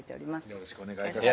よろしくお願いします